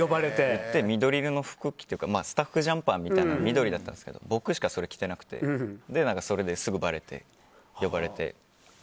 緑色の服というかスタッフジャンパーが緑だったんですけど僕しかそれを着てなくてそれで、すぐばれて呼ばれて。